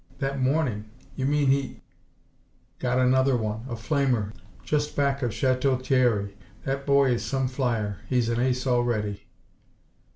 "That morning? You mean he " "Got another one, a flamer, just back of Chateau Thierry. That boy is some flyer! He's an ace already."